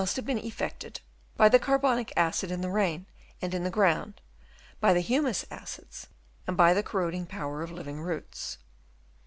have been effected by the carbonic acid in the rain and in the ground, by the humus acids, and by the corroding power of living roots.